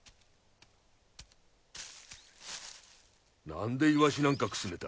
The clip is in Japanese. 何でいわしなんかくすねた？